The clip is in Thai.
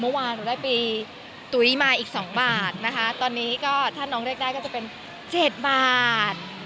เมื่อวานหนูได้ไปตุ๋ยมาอีก๒บาทนะคะตอนนี้ก็ถ้าน้องเรียกได้ก็จะเป็น๗บาท